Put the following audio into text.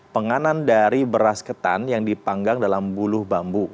penganan dari beras ketan yang dipanggang dalam buluh bambu